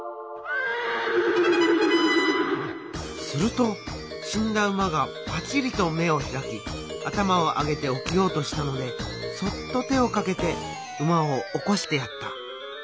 するとしんだ馬がパチリと目をひらき頭を上げて起きようとしたのでそっと手をかけて馬を起こしてやった。